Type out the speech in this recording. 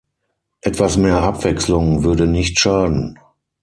Etwas mehr Abwechslung würde nicht schaden.